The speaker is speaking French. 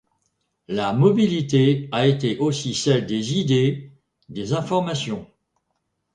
La mobilité a été aussi celle des idées, des informations.